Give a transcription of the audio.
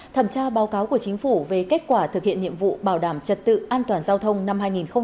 thẩm tra báo cáo của chính phủ về kết quả thực hiện nhiệm vụ bảo đảm trật tự an toàn giao thông năm hai nghìn hai mươi ba